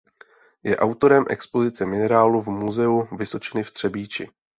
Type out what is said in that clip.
Je autorem expozice minerálů v Muzeu Vysočiny v Třebíči.